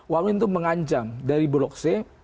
wamen itu mengancam dari blok c